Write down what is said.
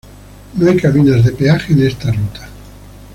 No hay cabinas de peaje en esta ruta.